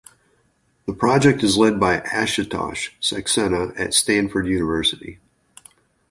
The project is led by Ashutosh Saxena at Stanford University.